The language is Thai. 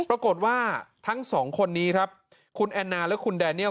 ปรากฏว่าทั้งสองคนนี้ครับคุณแอนนาและคุณแดเนียล